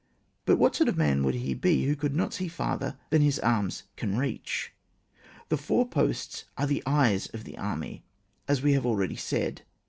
But what sort of man would he be who could not see farther than his arms can reach ! The foreposts are the eyes of the army, as we have al ready said.